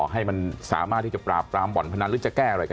ให้มันสามารถที่จะปราบหวังค์ภนัดหรือจะแก้อะไร